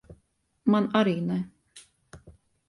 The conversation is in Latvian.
Man arī ne.